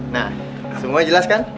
nah semua jelas kan